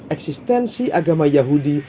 eksistensi agama yahudi